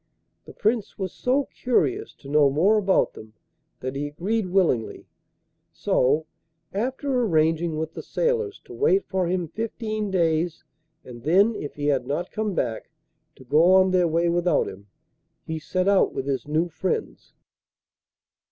The Prince was so curious to know more about them that he agreed willingly; so, after arranging with the sailors to wait for him fifteen days, and then, if he had not come back, to go on their way without him, he set out with his new friends.